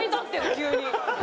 急に。